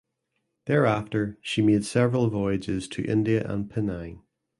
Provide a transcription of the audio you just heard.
Thereafter she made several voyages to India and Penang.